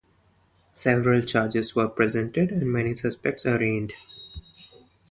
Several charges were presented and many suspects arraigned.